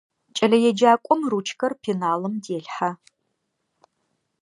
КӀэлэеджакӀом ручкэр пеналым делъхьэ.